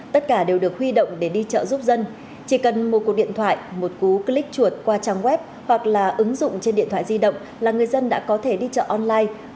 tất cả đều được huy động để đi chợ giúp dân chỉ cần một cuộc điện thoại một cú click chuột qua trang web hoặc là ứng dụng trên điện thoại di động là người dân đã có thể đi chợ online